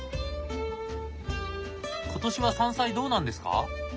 今年は山菜どうなんですか？